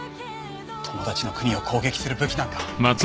友達の国を攻撃する武器なんか！